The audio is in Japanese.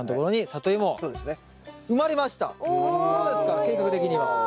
計画的には。